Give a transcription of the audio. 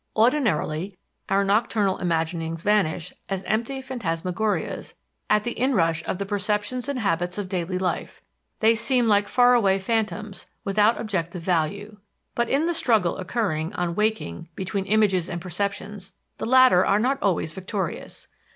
Ordinarily, our nocturnal imaginings vanish as empty phantasmagorias at the inrush of the perceptions and habits of daily life they seem like faraway phantoms, without objective value. But, in the struggle occurring, on waking, between images and perceptions, the latter are not always victorious.